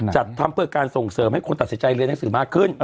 จัดทำเพื่อการส่งเสริมให้คนตัดสินใจเรียนหนังสือมากขึ้น